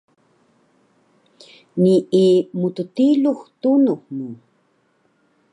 Nii mttilux tunux mu